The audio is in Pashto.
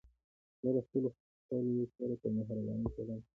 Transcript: زه له خلکو سره په مهربانۍ چلند کوم.